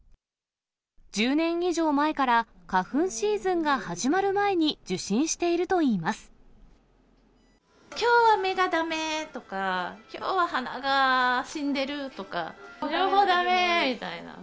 １０年以上前から花粉シーズンが始まる前に受診しているといいまきょうは目がだめとか、きょうは鼻が死んでるとか、両方だめみたいな。